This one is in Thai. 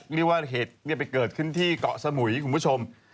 เรียกว่าเหตุไปเกิดขึ้นที่เกาะสมุยคุณผู้ชม